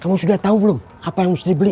kamu sudah tau belum apa yang mesti dibeli